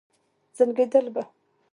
زنګېدل به.